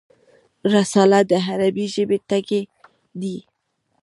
رساله د عربي ژبي ټکی دﺉ.